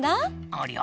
ありゃ。